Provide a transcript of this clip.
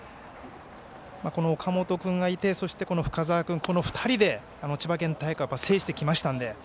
岡本君がいて、そして深沢君この２人で千葉県大会を制してきましたので。